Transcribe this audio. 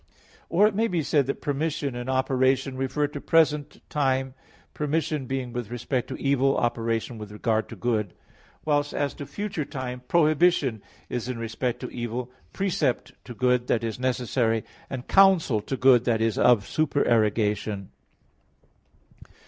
Or it may be said that permission and operation refer to present time, permission being with respect to evil, operation with regard to good. Whilst as to future time, prohibition is in respect to evil, precept to good that is necessary and counsel to good that is of supererogation.